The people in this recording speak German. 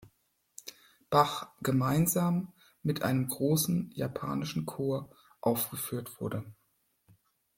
Bach gemeinsam mit einem großen japanischen Chor aufgeführt wurde.